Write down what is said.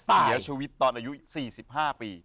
เสียชีวิตตอนอายุ๔๕ปี